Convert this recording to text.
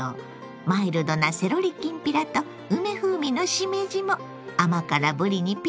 マイルドなセロリきんぴらと梅風味のしめじも甘辛ぶりにピッタリ！